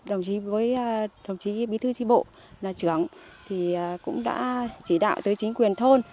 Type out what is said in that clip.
đồng chí với đồng chí bí thư tri bộ là trưởng thì cũng đã chỉ đạo tới chính quyền thôn